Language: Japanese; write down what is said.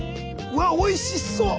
うわおいしそう！